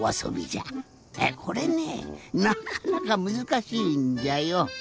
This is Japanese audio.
これねぇなかなかむずかしいんじゃよ。